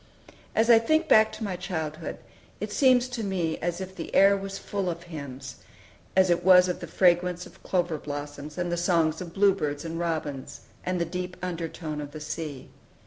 As I think back to my childhood, it seems to me as if the air was full of hymns, as it was of the fragrance of clover blossoms, and the songs of bluebirds and robins, and the deep undertone of the sea.